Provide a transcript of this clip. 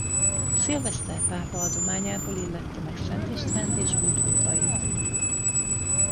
Sylvester pápa adományából illette meg Szent Istvánt és utódait.